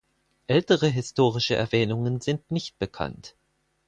Ältere historische Erwähnungen sind nicht bekannt.